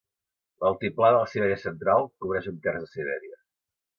L'altiplà de la Siberia Central cobreix un terç de Sibèria.